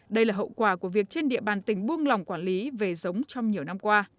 đây là hậu quả của việc trên địa bàn tỉnh buông lòng quản lý về giống trong nhiều năm qua